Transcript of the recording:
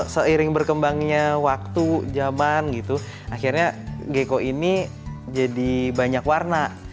seiring berkembangnya waktu zaman gitu akhirnya geko ini jadi banyak warna